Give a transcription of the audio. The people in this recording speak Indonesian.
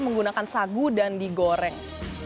menggunakan sagu dan digoreng